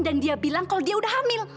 dan dia bilang kalau dia udah hamil